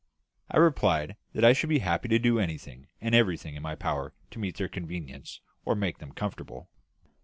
I replied that I should be happy to do anything and everything in my power to meet their convenience or make them comfortable.